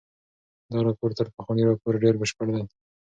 دا راپور تر پخواني راپور ډېر بشپړ دی.